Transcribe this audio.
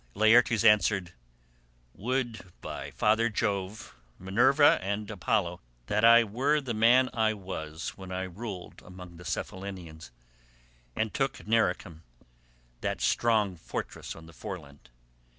Laertes answered, "Would, by Father Jove, Minerva, and Apollo, that I were the man I was when I ruled among the Cephallenians, and took Nericum, that strong fortress on the foreland.